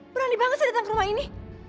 berani banget saya datang ke rumah ini